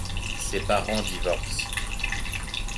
Ses parents divorcent.